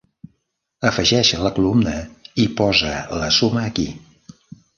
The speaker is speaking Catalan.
Afegeix la columna i posa la suma aquí.